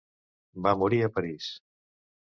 Va morir a París.